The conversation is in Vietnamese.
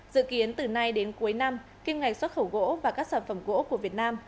dự kiến từ nay đến cuối năm kim ngạch xuất khẩu gỗ và các sản phẩm gỗ của việt nam